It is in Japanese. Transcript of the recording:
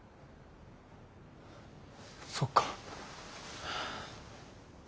そっか。